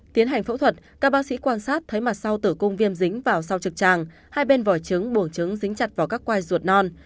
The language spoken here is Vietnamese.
tiến hành phẫu thuật các bác sĩ quan sát thấy mặt sau tử cung viêm dính vào sau trực tràng hai bên vỏ trứng buồng trứng dính chặt vào các khoai ruột non